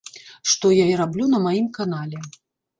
Што я і раблю на маім канале.